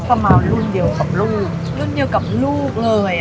ประมาณรุ่นเดียวกับลูกรุ่นเดียวกับลูกเลย